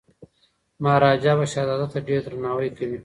مهاراجا به شهزاده ته ډیر درناوی کوي.